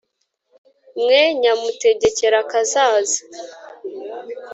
mwene Nyamutegerakazaza